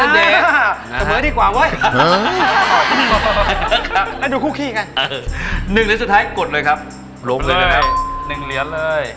ลงเลยนะครับ๑เหลียดเลย